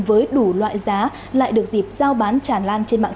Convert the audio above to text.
với đủ loại giá lại được dịp giao bán tràn lan trên mạng xã